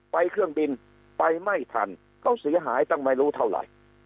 เครื่องบินไปไม่ทันเขาเสียหายตั้งไม่รู้เท่าไหร่